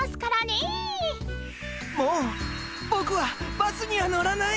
もうボクはバスには乗らない。